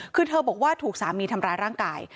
คือเธอบอกว่าถูกสามีทำร้ายร่างกาย